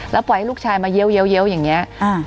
แล้วปล่อยให้ลูกชายมาเยี้ยวอย่างนี้